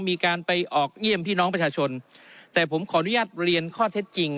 มีการไปออกเยี่ยมพี่น้องประชาชนแต่ผมขออนุญาตเรียนข้อเท็จจริง